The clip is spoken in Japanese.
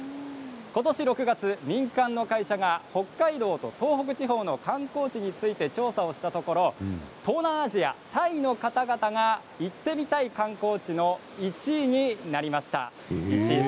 今年６月、民間の会社が北海道と東北地方の観光地について調査をしたところ東南アジア、タイの方々が行ってみたい観光地の１位になりました。